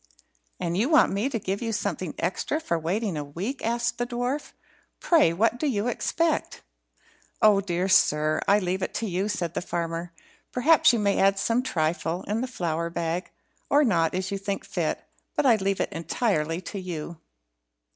"And you want me to give you something extra for waiting a week?" asked the dwarf. "Pray, what do you expect?" "Oh, dear sir, I leave it to you," said the farmer. "Perhaps you may add some trifle in the flour bag, or not, as you think fit but I leave it entirely to you."